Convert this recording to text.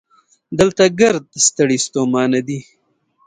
دلته ګړد ستړي ستومانه دي